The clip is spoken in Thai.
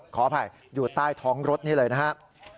ขออภัยอยู่ใต้ท้องรถนี่เลยนะครับ